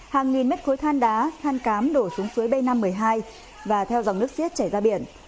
hàng nghìn mét khối than đá than cám đổ xuống suối b năm trăm một mươi hai và theo dòng nước xiết chảy ra biển